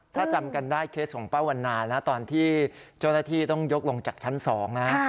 ถ้าจำกันได้เคสของป้าวันนานะตอนที่เจ้าหน้าที่ต้องยกลงจากชั้น๒นะ